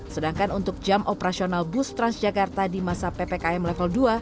sedangkan untuk jam operasional bus transjakarta di masa ppkm level dua